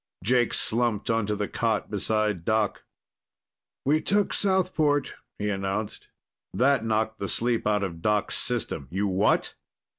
Jake slumped onto the cot beside Doc. "We took Southport," he announced. That knocked the sleep out of Doc's system. "You what?"